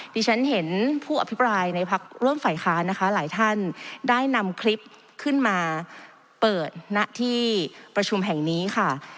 ที่ฉันเห็นผู้อภิปรายในพักร่วมฝ่ายค้านนะคะหลายท่านได้นำคลิปขึ้นมาเปิดณที่ประชุมแห่งนี้ค่ะ